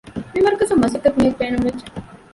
މިމަރުކަޒަށް މަސައްކަތު މީހަކު ބޭނުންވެއްޖެ